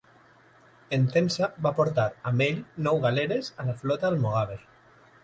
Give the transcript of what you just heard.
Entença va portar amb ell nou galeres a la flota almogàver.